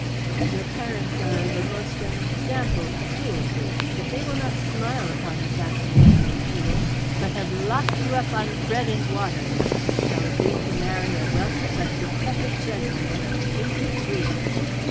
"Your parents are of a most unexampled cruelty. They will not smile upon the fascinating O'Toole, but have locked you up on bread and water until you shall agree to marry a wealthy but decrepit gentleman of eighty three."